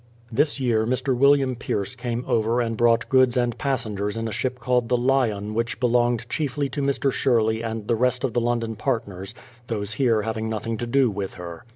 This year Mr. William Pierce came over and brought goods and passengers in a ship called the Lyon which be longed chiefly to Mr. Sherley and the rest of the London partners, those here having nothing to do with her.